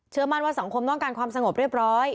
มั่นว่าสังคมต้องการความสงบเรียบร้อย